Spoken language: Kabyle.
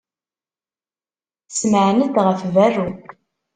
Tessemɛen-d ɣef berru.